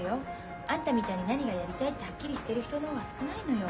あんたみたいに何がやりたいってはっきりしてる人の方が少ないのよ。